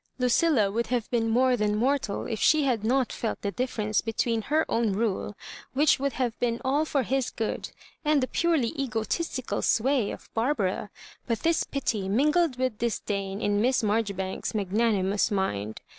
Lucilla would have been more than mortal if she had not felt the difference between her own rule, which would have been all for his good, and the purely egotistical sway of Barbara ; but this pity min gled with disdain in Miss Marjoribanks^s magna nimous mind.